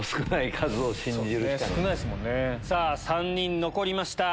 さぁ３人残りました。